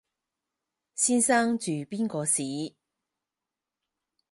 先生住邊個巿？